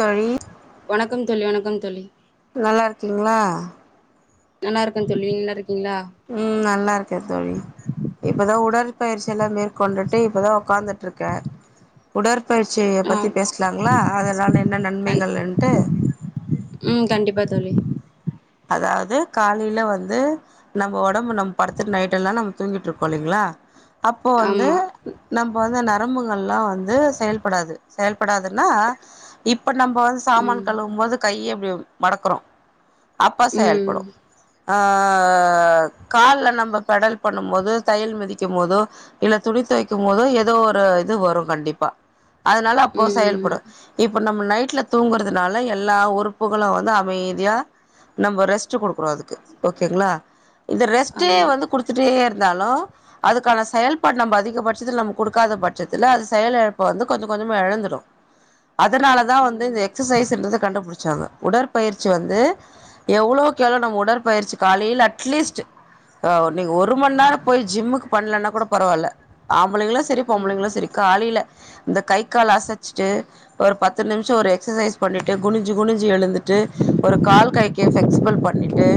தோழி வணக்கம் தோழி வண கும் தோழி நல்லாருக்கீங்ளா நல்லாருக்க தோழி நீங்க நல்லாருக் உம் நல்லாருக்கே தோழி இப்பதா உடற்பயிற்சி எல்லா மேற்கொண்டுட்டு இப்பதா உக்காந்துட்ருக்கே உடற் பயிற்சிய ஆ பத்தி பேசலாங்களா அதனால என்ன கண் நன்மைகள்ன்ட்டு ம் கண்டிப்பா தோழி அதாது காலைல வந்து நம்போ ஒடம்பு நம்ம படுத்துட்டு நைட் எல்லா நம்ம தூங்கிட்டு இருக்கோ இல்லிங்களா அப்போ வந்து ஆமா நம் அப்ப வந்து நரம்புகள்லா வந்து செயல்படாது செயல் படாதுன்னா இப்ப நம்ப வந்து சாமான் ம் கழுவும் போது கைய [unintelligible] மடக்கறோ அப்ப ம் செயல்படு ஆ கால்ல நம்ம பெடல் பண்ணும் போது தையல் மிதிக்கும் போதோ இல்ல துணி தொவைக்கும் போதோ ஏதோ ஒரு இது வரும் கண்டிப்பா அதனால அப்போ ம் ஆமா செயல்படு இப்ப நம்ம நைட்ல தூங்குறதுனால எல்லா உறுப்புகளு வந்து அமைதியா நம்ப ரெஸ்ட்டு குடுக் குறோ அதுக்கு ஓகேங்களா இந்த ரெஸ்ட்டே ஆமா வந்து குடுத்துட்டே இருந்தாலு அதுக்கான செயல்பாடு நம்ப அதிகபட்சத்துல நம்ம குடுக்காத பட்சத்துல அது செயலிழப்ப வந்து கொஞ்ச கொஞ்சமா எழந்துடு அதனாலதா வந்து இந்த ம் எக்சசைஸ்ன்றத கண்டுபிடிச்சாங்க உடற் பயிற்சி வந்து எவ்ளோக் எவ்ளோ நம்ம உடற்பயிற்சி காலையில அட்லீஸ்ட்டு ஆ இன்னைக்கு ஒரு மண்நேர போய் ஜிம்முக்கு பண்ணலன்னா கூட பரவால்ல ஆம் ம்பளைங்களு சரி பொம்பளைங்களு ம் சரி காலைல இந்த கை கால் அசச்சிட்டு ஒரு பத்து நிமிச ஒரு எக்சசைஸ் பண்ணிட்டு குனிஞ்சு குனிஞ்சு ஞ்சி எழுந்துட்டு ஒரு கால் கே ப்ளக்சிபல் பண்ணிட்டு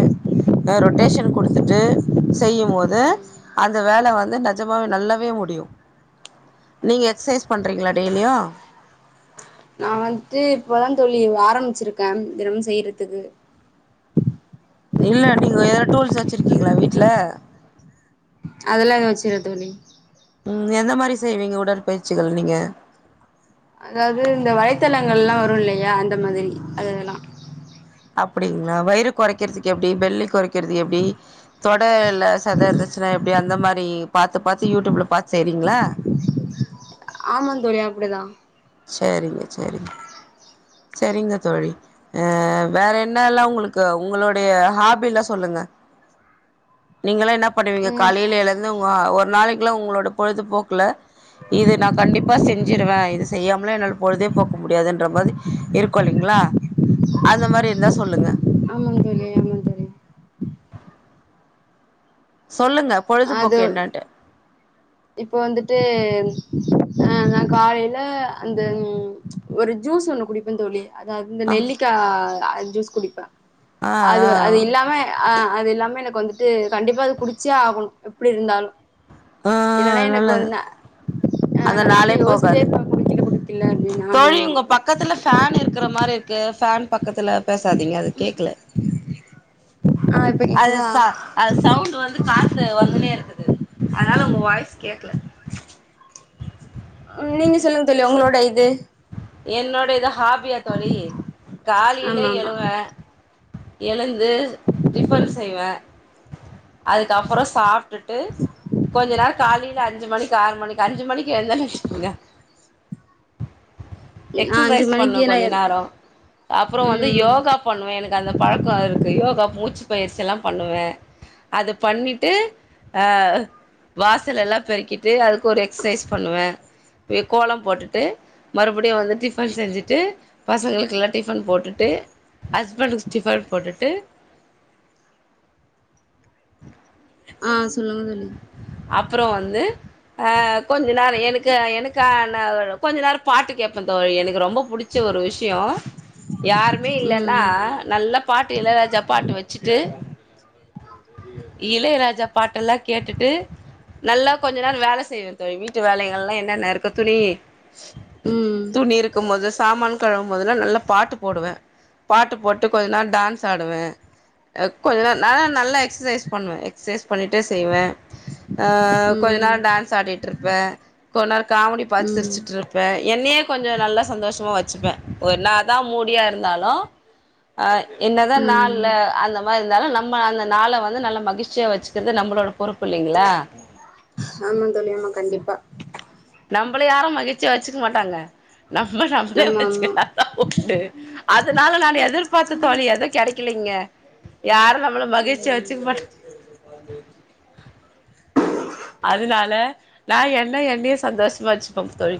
ப்ப ரொட்டேஷன் குடுத்துட்டு செய்யு போது அந்த வேல வந்து நெஜமாவே நல்லாவே முடியு நீங்க எக்ஸ்ஸைஸ் பண்றீங்ளா டெய்லியு நா வந்ட்டு இப்பதா தோழி ஆரம்ச்சிருக்கே தெனமு செய்றத்துக்கு இல்ல நீங்க ஏதாது டூல்ஸ் வச்சிருக்கீங்களா வீட்ல அதெல்லா எது வச்சில்ல தோழி உம் எந்த மாரி செய்வீங்க உடற்பயிற்சிகள் நீங்க அதாது இந்த வலைத்தளங்கள்லா வரு இல்லயா அந்த மாதிரி அதெல்லா அப்டிங்களா வயிறு கொறைக்கறதுக்கு எப்டி பெள்ளி கொறைக் கிறது எப்டி தொடயில்ல சத இருந்துச்சினா எப்டி அந் ந்த மாரி பாத்து பாத்து யூடியூப்ல பாத்து செய்றீங்ளா ஆமாந்தோழி அப்டிதா சரிங்க சரிங்க சரிங்க தோழி அ வேற என்னல்லா உங்களுக்கு உங்களுடைய ஹாபில்லா சொல்லுங்க நீங்கல்ல என்னப் பண்ணுவீங்க ம் காலைல எழுந்து உஹ ஒர்க் நாளைக்ல்லா உங்ளோட பொழுதுபோக்ல இது நா கண்டிப்பா செஞ்சிருவே இது [unintelligible] என்னால பொழுதே போக்க முடியாதுன்ற மாரி இருக்கு இல்லைங்களா அந்த மாரி இருந்தா சொல்லுங்க ஆமா தோழி ஆமா தோழி சொல்லுங்க அது பொழுதுபோக்கு என்னன்ட்டு இப்ப வந்துட்டு ஆஹ் நா காலைல அந்த ஒரு ஜூஸ் ஒண்ணு குடிப்பந் தோழி அது அந்த ஆ நெல்லிக்கா காலைல ஜூஸ் குடிப்பே ஆ அது ஆ அது இல்லாம அஹ் அது எல்லாமே எனக் வந்து அது கண்டிப்பா அது குடிச்சே ஆகுனு எப்டி இருந்தாலு இல்லன்னா ஆஹ் எனக்கு நல்லது வந்து ஆ அந்த நா அத பத்தி நாளே யோசிச்சே போகாது இருப்பே குடிக்கல குடிக்கல அப்டின்னு ஆமா தோழி ஆமா உங்க பக்கத்துல ஃபேனு இருக்குற மாரி இருக்கு ஃபேன் பக்கத்துல பேசாதீங்க அது கேக்ல ஆ இப்ப கேக்குதா ஆ நீங்க சொல்லுங்கத் தோழி ஒங்ளோட இ து என்னுடையதா ஹாப்பியா தோழி காலிலே ஆமா ஆமா எழுவ எழுந் து டிஃபன் செய்வ அதுக்கப்றோ சாப்ட்டுட்டு கொஞ்ச நேரோ காலி கீ அஞ்சுமணி இங்க ஆறு மணிக்கு அஞ்சு மணிக்கு எந்த லஷ்மிங்க நா அஞ்சு எக்ஸ்சைஸ் பண்ணு மணிக்கு நா கொஞ்ச நேரொ அப்றோ வந்து ம் யோகா பண்ணுவே எனக்கு அந்த பழக்கோ இருக் கு யோகா மூச் பயிற்சில்லா பண்ணுவே அது பண்ணிட்டூ ஆ வாசல் எல்லா பெருக்கிட்டூ அத் ஒர் எக்ஸ்சைஸ் பண்ணுவே மீ கோலம் போட்டுட்டு மறுப் இப்பிடி வந்து டிஃபன் செஞ்சிட்டு பசங்குளுக்கிலா டிஃபன் போட்டுட்டு ஹஸ்பன்டுஸ் டிஃபன் போட்டுட்டு ஆ சொல்லுங்க தோழி அப்றோ வந்து ஆ கொஞ்ச நேரோ எனக்கு எனுக்கா நேரோ கொஞ்ச நேரோ பாட்டு கேட்பே தோழி எனுக்கு ரொம்ப புடிச்ச ஒரு விஷ் தியோ யாருமே இல்லன்னா ம் நல்ல பாட்டு இளயராஜா பாட்டு வச்சிட்டு இளயராஜா பாட்டெல்லா கேட்டுட்டு நல்லா கொஞ்சொ நேரோ வேல செய்வே தோழி வீட்டு வேலைகெல்லா என்னன்ன இருக்கோ துணி ம் துணி இருக்கும் போதிஸ் சாமான் கழுவ்ம் போதுலா நல்லா பாட்டு போடுவே பாட்டு போட்டு கொஞ்சொனா நா டான்ஸ் ஆடுவே கொஞ்ச நேரொ நா நல்லா எக்ஸசைஸ் பண்ணுவே எக்ஸசைஸ் பண்ணிட்டே செய்வே ஆ கொஞ்ச ம் நேரோ டான்ஸ் ஆடிட்டுருப்பே கொன்நேரொ காமடி பாத் ம் சிரிச்சிட்ருப்பே என்னெயெ கொஞ்சொ நல்லா சந்தோஷமா வச்சிப்பே ஒரு நாள்தா மூடியா இருந்தாலு அ என்னதா நாள்ல ம் அந்த மாதி இந்தாலு நம்ம அந்த நாள வந்து நல்ல மகிழ்ச்சியா வச்சிக்றது நம்பளோட பொறுப் ஆமாங் தோழி ஆமா கண்டிப் ப நம்பல யாரூ மகிழ் சி வச்சுக் மாட்டாங்க நம்ம நம்லே ஆமா ஆமா வச்க்கிட்டாத்தா போ உண்டு அதுனால நானு எதிர்பாத்து தோழி எத கெடக்லிங்க யாரூ நம்மல மகிழ்ச்சியா ம் வச்சிக் மாட் பா தேக் அதுனால நா என்ன என்னியே சந்தோஷ்மா வச்சுப்பம் தோழி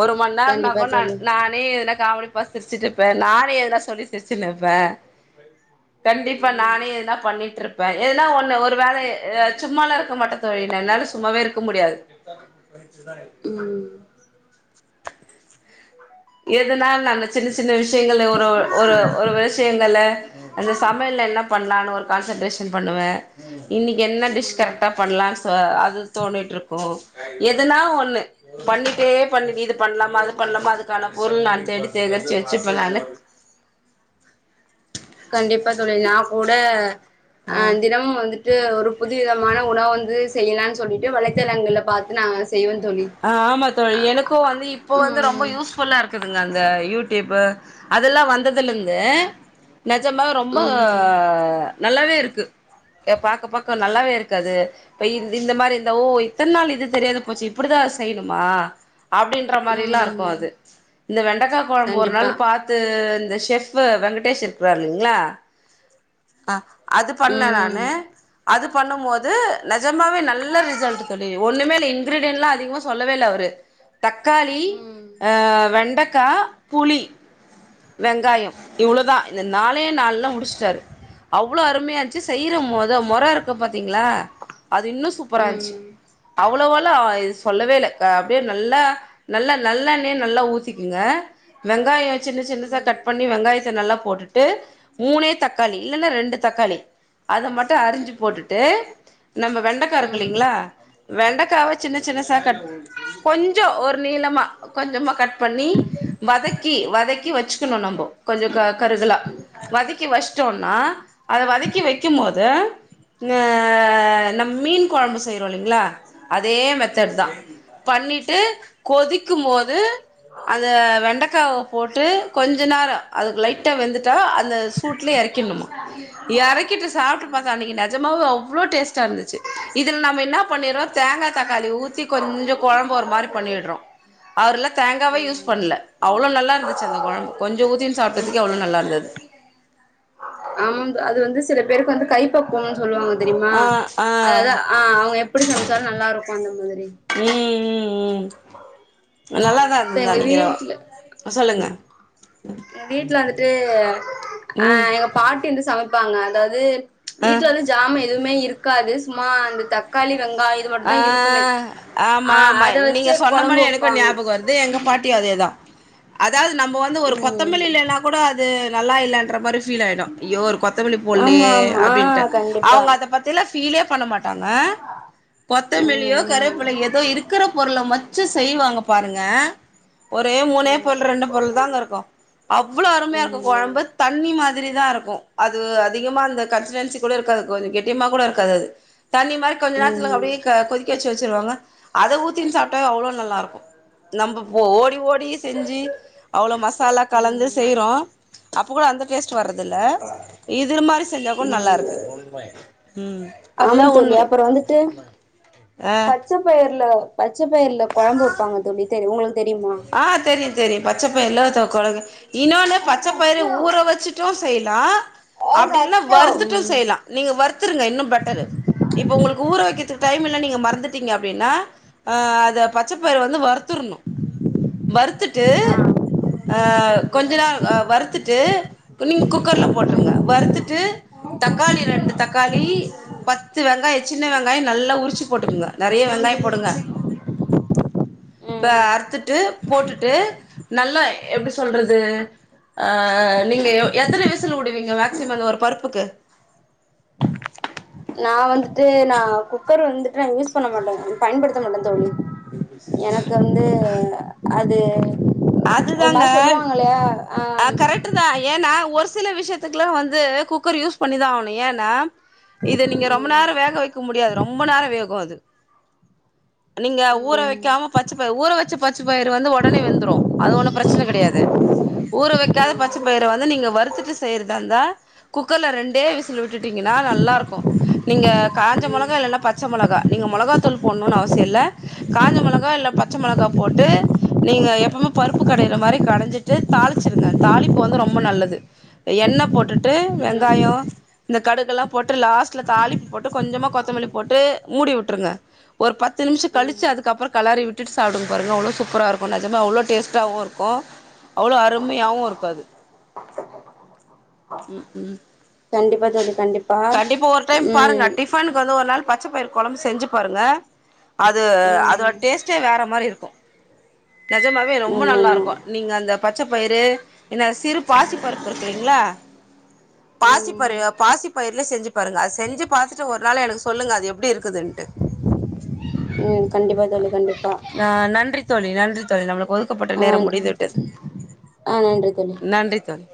ஒரு மண்நேர்னா கண்டிப்பா கூட நா தோழி நானே எல்லாத் காமடி பாத் சிர்ச்சிட்ருப்பே நானே எதுனா சொல்லி சிரிச்சின் இருப்பே கண்டிப்பா ம் நானே எதுனா பண்ணிட்டுருப் பே எதுனா ஒன்னு ஒரு வேல எதா சும்மால்லா இர்க்க மாட்டே தோழி நென்னாலு சும்மாவே இருக்கும் முடியாது பயிர்ச்சிதானே ம் [unintelligible] எதுனால் நாங்க சின்ன சின்ன விஷ் ஷ்யங்கல்ல ஒரு ஒரு ஒரு ஒரு விஷ்யங்கல்ல அந்த சமையல்ல என்ன பண்லான் ஒரு கான்சென்ட்ரேஷன் பண்ணுவே இன்னிக்கி என்ன டிஷ் ம் கரெக்டா பண்ணலான் சொ அது தோணிட்டு்ருக்கு எதுனா ஒண்ணு பண்ணிட்டே பண்ணு இது பண்லாமா அது பண்லாமா அது க்கான பொருள்ளா தேடி தேகரிச்சு வெச்சுப்ப நானு கண்டிப்பா தோழி நா கூட அ ஆ தினமும் வந்துட்டு ஒரு புது விதமான உணவு வந்து செய்யலான் சொல்லிட்டு வலைதளங்கள்ல பாத்து நா செய்வே தோழி ஆ ஆமா தோழி அ எனக்கூ வந்து இப்போ வந்து ரொம்ப ம் யூஸ்ஃபுல்லாருக் க்குதுங்க அந்த யூடியூபு அதல்லா வந்ததுல இந்து நெஜமாவே ரொம்ப ம் நல்லாவே இருக்கு எ பாக்க பாக்க நல்லாவே இருக்கு அது ப இது இந்த மாரி இந்த ஓ இத்தன் நாள் இது தெரியாத போச்சி ப்டிதா செய்ணுமா அப்டின்ற மாரில்லா இருக்கு ம் அது இந்த வெண்டக்கா கொழம்பு ஒரு கண்டிப்பா நாளு பாத்து இந்த ஷெஃப்ஃபு வெங்கடேஷ் இருக்றார் இல்லிங்ளா அ அது பண்ணே ம் நானு அதுப் பண்ணும் மோது நெஜமாவே நல்ல ரிசல்ட் தொழி ஒண்ணுமேல்ல இன்கிரீடியன்லா அதிகமா சொல்லவே இல்ல அவுரு தக்காளி ம் அ வெண்டக் க்கா புளி வெங்காயம் இவ்ளுதா இந்த நாளே நாள்ல முடிச்ட்டாரு அவ்ளோ அரும்யா இஞ்ச்சு செய்யிற மொத மொற இருக்க பத் த்திங்ளா அது இன்னு சூப்பரான்ச்சி ம் அவ்ளோவ ல்லாய் இ சொல்லவேல்ல க அப்டே நல்ல நல்ல நல்லெண்ணய நல்லா ஊத்திக்குங்க வெங்காய‌ சின்ன சின்னதா ம் கட் பண்ணி வெங்காயத்த நல்லா போட்டுட் ட்டு மூனே தக்காளி இல்லன்னா ரெண்டு தக்காளி அத மட்டு அரிஞ்சி போட்டுட்டு நம்ப வெண்டக்கா ம் இருக்குல்லிங்ளா வெண்டக்காவ சின்ன சின்னசா கட் கொஞ்சோ ஒரு நீளமா கொஞ்சமா கட் பண்ணி வதக்கி வதக்கி வச்சு ச்சுனு நம்போ கொஞ்ச க கருகலா வதிக்கி வஷ்ட் னா அத வதக்கி வைக்கும்போது நம்ம மீன் குழம்பு செய்றோம் இல்லங்களா அதே மெத்தட் தான் பண்ணிட்டு கொதிக்கும் போது அந்த வெண்டைக்காவ போட்டு கொஞ்ச நேர அதுக்கு லைட்டா வெந்துட்டா அந்த ட்ல எறக்கினுமா எறக்கிட்டு சாப்ட்டு பாத்த அன்னைக்கி நெஜமாவே அவ்ளோ டேஸ்டா இருந்துச்சு இதுல நம்ம என்ன பண்ணிறோ தேங்கா தக்காளி ஊத்தி கொஞ்ச கொழம்பு ஒரு மாரி பண்ணிடுறோ அவர் எல்ல தேங்காவே ம் யூஸ் பண்ணல அவ்ள நல்லா இருந்துச்சு அந்த குழம்பு கொஞ்சம் ஊற்றின்னு சாப்டதுக்கே அவ்ளோ நல்லா இருந்தது ஆமா ந் அது வந்து ஸ் சில பேருக்கு வந்து கை பக்வம்னு சொல்லுவாங்க தெரியமா ஆ ஆ அதது ஆ அவங்க எப்டி சமைச்சாலும் நல்லா இருக்கு அந்த மாத்ரி நல்லாதான் இருந்தது அந்நக்கி சொல்லுங்க வீட்டுல வந்துட்டு அ ம் எங்க பாட்டி வந்து சமைப்பாங்க அதாது ப்ச் ஆ வீட்டு்ல வந்து ஜாம எதுவுமே இருக்காது சும்மா அந்த தக்காளி வெங்காய இது ஆ மட்டுந்தா இருக்குமே ஆமா ஆ ஆமா அத வச்சு நீங்க சொன்ன கொழம்பு மானே எனக்கும் வைப்பாங்க ஞாபகம் வருது எங்க பாட்டி அதேதான் அதாவது நம்ம வந்து ஒரு கொத்தமல்லி ம் இல்லன்னா கூட அது நல்லா இல்லன்ற மாரி ஃபீல் ஆயிடும் யோ ஒரு கொத்தமல்லி ஆமா போலயே ஆமா ஆ அப்டின்டு கண்டிப்பா அவங்க அத பத்தில பீலே பண்ண மாட்டு தங்க த்தமெலியோ ம் கரேப்பில ஏதோ இருக்கிற பொருள்ள மச்ச செய்வாங்க பாருங்க ஒரே மூனே ஆமா பொருள் ரெண்டு பொருள் தாங்க இருக்கு அவ்ளோ அருமையா இருக்கும் குழம்பு ம் தண்ணி மாரி மாத்ரி தா இருக்கும் அது அதிகமா அந்த கன்சிடன்சி கூட இருக்காது கொஞ்சம் கெட்டிமா கூட இருக்காது அது தண்ணிமாரி [unintelligible] துல ம் அப்டியே க கொதிக்க வச்சு ச்சு வச்சுருவாங்க அத ஊத்தின் சாப்ட்ட அவ்வளவு நல்லா இருக்கும் நம்ம ஓடி ஓடி செஞ்சு அவ்வளவு மஸ் மசாலா கலந்து செய்றோ ம் அப்ப கூட அந்த டேஸ்ட் வர்தல இது மாரி செஞ்சா கூட நல்லா ம் இருக்கு ம் அதுதான் உண்மை ஆ பச்சப்பயர்ல பச்சப்பயிரல குழம்பு வப்பாங்க தோழி தெரி உங்களுக்கு தெரியுமா ஆ தெரிது தெரி பச்ச வெள்ள [unintelligible] இன்னொனூ பச்ச பயிர ஊற வச்சுட்டும் செய்யலாம் அப்டின்னா ம் வருத்துட்டும் செய்யலாம் நீங்க வருத்துருங்க இன்னும் பெட்டரு இப்ப உங்களுக்கு ஊற வைக்கிறதுக்கு டைம் இல்ல நீங்க மறந்துட்டீங்க அப்டின்னா ஆ அத பச்சப்பயிற வந்து வருத் துருனு வருறுத்துட்டு ம் அ கொஞ்ச நாள் வருறுத்துட்டு நீங் குக்கர்ல போட் விட்ருங்க வருத்துட்டு தக்காளி ரெண்டு தக்காளி பத்து வெங்காயோ சின்ன வெங்காய நல்லா உரிச்சி போட்டுக்குங்க நெறைய வெங்காயொ போடுங்க ப ம் அத்து து போட்டுட்டு நல்லா எப்டி சொல்றது அ நீங்க எத்தன விசில் உடுவீங்கக் மேசிமம் ஒரு பருப்புக்கு நா வந்து து நா குக்கர் வந்து நா யூஸ் பண்ண மாட்ட பயன்படுத்த மாட்ட தோழி எனக்கு வந்து அது ஒரு அதுதாங்க மாரி சொல்லுவாங்கல்லியா ஆ கரக்டு தா ஏனா ஓரு சில விஷயத்துக்குலா வந்து குக்கர் யூஸ் பண்ணிதா ஆணும் ஏனா இது நீங்க ரொம்ப நேரம் வேக வைக்க முடியாது ரொம்ப நேரம் வேகும் அது நீங்க ம் ஊற ம் வைக்காம பச்ச பயி ஊற வச்ச பச்ச பயிறு வந்து உடனே வெந்துடும் அது ஒண்ணு பிரச்சன கெடையாது ஊற வைக்காத பச்ச பயிர வந்து நீங்க வறுத்துட்டு செய்யறதுதா அந்த தா குக்கர்ல ரெண்டே விசி ல் விட்டுட்டீங்கனா நல்லா இருக்கும் நீங்க காஞ்ச ம் மொளகா இலனா பச்ச மொளகா நீங்க மொளகாதூள் போடணுனு அவசிய இல்ல காஞ்ச மொளகா இல்ல பச்ச மொளகா போட்டு நீங்க எப்பமே பருப்பு கடையிற மாரி கடைஞ்சிட்டு தாளிச்சிருங்க தாளிப்பு வந்து ரொம்ப நல்லது எண்ண போட்டுட்டு வெங்காயொ இந்த கடுகுலா போட்டு லாஸ்ட்டுல தாளிப்பு போட்டு கொஞ்சமா கொத்தமல்லி போட்டு மூடி உட்டுருங்க ஒரு பத்து நிமிஷம் ம் கலிச்சி அதுக்கப்புறொ கலறி விட்டுட்டு சாப்புடுங் பாருங்க அவ்வுளோ சூப்பரா இருக்கும் நெஜமா அவ்வுளோ டேஸ்ட்டாவு இருக்கும் அவ்ளோ அருமையாகவும் இருக்காது உம் உம் கண்டிப்பா தோழி கண்டிப்பா ஒரு டைம் பாருங்க ம் டிஃபனுக்கு வந்து ஒரு நாள் பச்ச பயிரு கொலம்பு செஞ்சி பாருங்க அது அதோட ம் டேஸ்ட்டே வேற மாரி இருக் க்கு நெஜமாவே ரொம்ப நல்லா ஆமாமா இருக்கும் நீங்க அந்த பச் பச்சபயிரு என்ன சிறு பாசி பருப்பு இருக்கு இல்லிங்களா பாசிப் பாரு ம் பாசி பயிரல செஞ்சி பாருங்க அத செஞ்சு பாத்துட்டு ஒரு நாள் எனக்கு சொல்லுங்க அது எப்டி இருக்குதுன்ட்டு ம் கண்டிப்பா தோலி கண்டிப்பா தோலி நன்றி தோலி நம்ளு ஒதுக்கப்பட்ட ஆ நேரம் முடிந்துவிட்டது ஆ நன்றி தோழி நன்றி தோலி